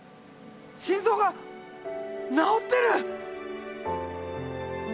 心臓がなおってる！